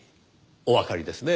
おわかりですね。